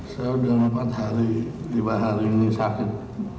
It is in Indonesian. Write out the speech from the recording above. saya sudah empat hari lima hari ini sakit